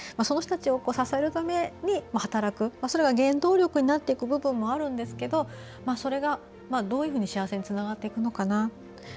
そういう人たちを支えるために働くそれが原動力になっていく部分もあるんですけどそれがどういうふうに幸せにつながっていくのかな。